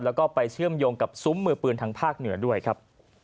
แล้วก็ไปเชื่อมโยงกับซุ้มมือปืนทางภาคเหนือด้วยครับ